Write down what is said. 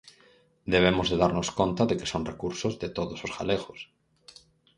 Debemos de darnos conta de que son recursos de todos os galegos.